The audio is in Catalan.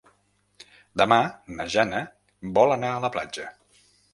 Demà na Jana vol anar a la platja.